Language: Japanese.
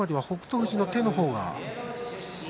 富士の手の方が。